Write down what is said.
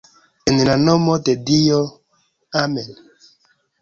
En la nomo de Dio, Amen'.